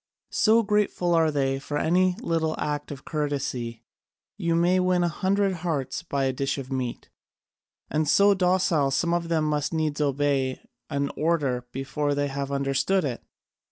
So grateful are they for any little act of courtesy, you may win a hundred hearts by a dish of meat! And so docile, some of them must needs obey an order before they have understood it!